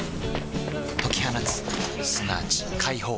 解き放つすなわち解放